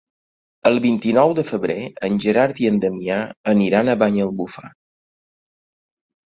El vint-i-nou de febrer en Gerard i en Damià iran a Banyalbufar.